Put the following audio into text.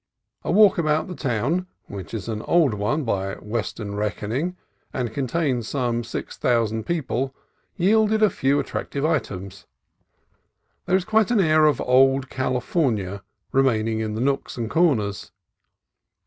A walk about the town, which is an old one, by Western reckoning, and contains some six thousand people, yielded a few attractive items. There is quite an air of old California remaining in the nooks and corners.